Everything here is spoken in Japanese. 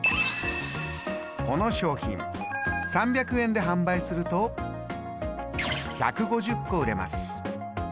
この商品３００円で販売すると１５０個売れます。